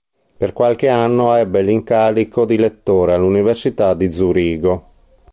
Per qualche anno ebbe l'incarico di lettore all'Università di Zurigo.